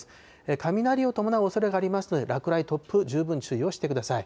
雷を伴うおそれがありますので、落雷、突風、十分注意をしてください。